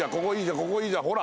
ここいいじゃんほら！